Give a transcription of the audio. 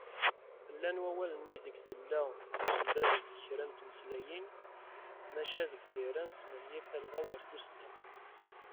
Llan wawalen ideg tella tussda deg kra n tmeslayin, maca deg tira nesmenyif talɣa war tussda.